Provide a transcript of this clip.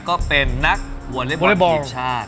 ก็เป็นนักฟุตบอลเล็กบอลอีกชาติ